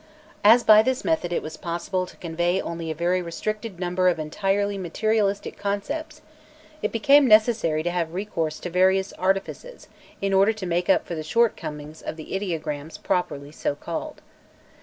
As by this method it was possible to convey only a very restricted number of entirely materialistic concepts, it became necessary to have recourse to various artifices in order to make up for the shortcomings of the ideograms properly so called.